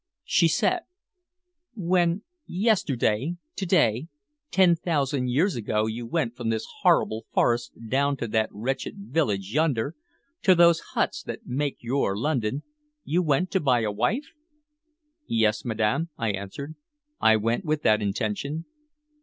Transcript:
She said: "When yesterday, to day, ten thousand years ago you went from this horrible forest down to that wretched village yonder, to those huts that make your London, you went to buy you a wife?" "Yes, madam," I answered. "I went with that intention."